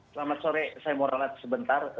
selamat sore saya mau ralat sebentar